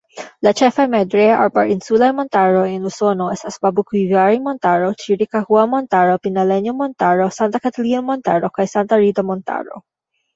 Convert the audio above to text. La ĉefaj madreaj-arbarinsulaj montaroj en Usono estas Babokvivari-Montaro, Ĉirikahua-Montaro, Pinalenjo-Montaro, Santa-Katalina-Montaro, kaj Santa-Rita-Montaro.